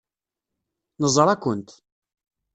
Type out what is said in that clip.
Neẓra-kent.